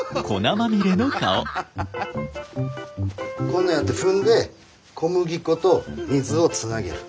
こんなやって踏んで小麦粉と水をつなげる。